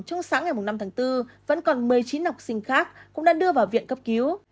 trong sáng ngày năm tháng bốn vẫn còn một mươi chín học sinh khác cũng đã đưa vào viện cấp cứu